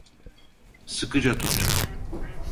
Sıkıca tut.